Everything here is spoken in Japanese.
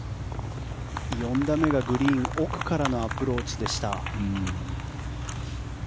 ４打目がグリーン奥からのアプローチでした。